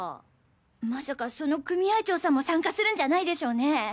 まさかその組合長さんも参加するんじゃないでしょうね？